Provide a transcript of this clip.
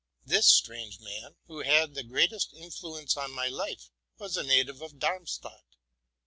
This strange man, who had the greatest influence on my life, was a native of Darmstadt.